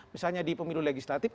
misalnya di pemilu legislatif